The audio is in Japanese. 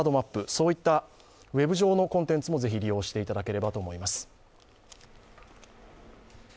そういったウェブ上のコンテンツもぜひ利用していただければと思います。